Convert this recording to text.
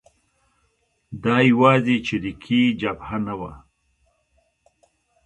دا یوازې چریکي جبهه نه وه.